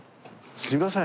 すいません